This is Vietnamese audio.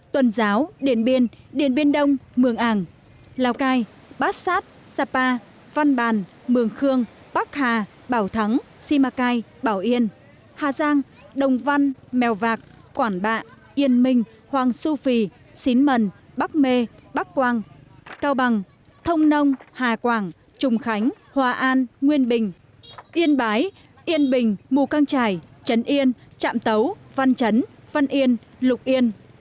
tuần giáo điện biên điện biên đông mương ảng lào cai bát sát sapa văn bàn mương khương bắc hà bảo thắng simacai bảo yên hà giang đồng văn mèo vạc quảng bạ yên minh hoàng su phi xín mần bắc mê bắc quang cao bằng thông nông hà quảng trùng khánh hòa an nguyên bình yên bái yên bình mù căng trải trấn yên trạm tấu văn trấn văn yên lục yên